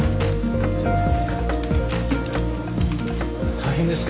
大変ですね